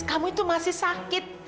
kamu itu masih sakit